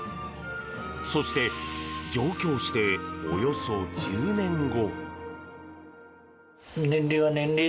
そして上京しておよそ１０年後。